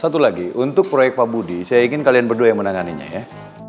satu lagi untuk proyek pak budi saya ingin kalian berdua yang menanganinya ya